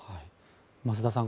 増田さん